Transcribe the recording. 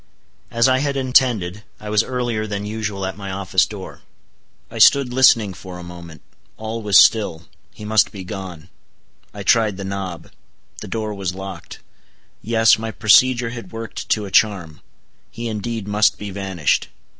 As I had intended, I was earlier than usual at my office door. I stood listening for a moment. All was still. He must be gone. I tried the knob. The door was locked. Yes, my procedure had worked to a charm; he indeed must be vanished.